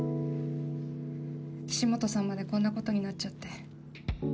岸本さんまでこんなことになっちゃって。